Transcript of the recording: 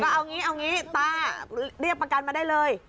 เอางี้เอางี้ตาเรียกประกันมาได้เลย